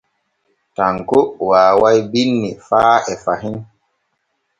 Tanko waaway binni faa e fahin.